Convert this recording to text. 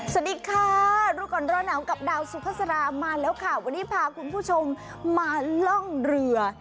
สวัสดีค่ะรู้ก่อนร้อนหนาวกับดาวสุภาษามาแล้วค่ะวันนี้พาคุณผู้ชมมาล่องเรือ